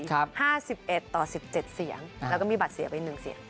๕๑ต่อ๑๗เสียงแล้วก็มีบัตรเสียไป๑เสียง